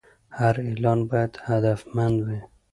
هر اعلان باید هدفمند وي.